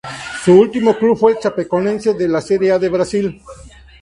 Su último club fue Chapecoense de la Serie A de Brasil.